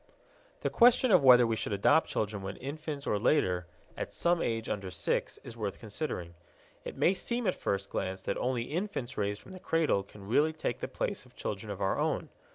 The question of whether we should adopt children when infants or later at some age under six is worth considering. It may seem at first glance that only infants raised from the cradle can really take the place of children of our own.